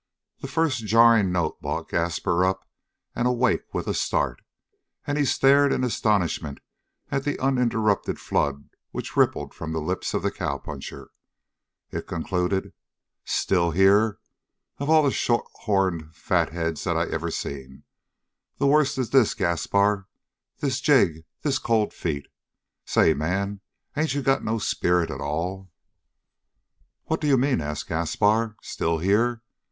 The first jarring note brought Gaspar up and awake with a start, and he stared in astonishment at the uninterrupted flood which rippled from the lips of the cowpuncher. It concluded: "Still here! Of all the shorthorned fatheads that I ever seen, the worst is this Gaspar this Jig this Cold Feet. Say, man, ain't you got no spirit at all?" "What do you mean?" asked Gaspar. "Still here?